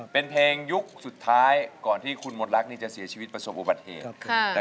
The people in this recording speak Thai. เป็นเพลงยุคสุดท้ายก่อนที่คุณมดรักเสียชีวิตประสบประเทศ